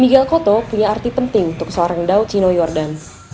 miguel cotto punya arti penting untuk seorang daud chino jordan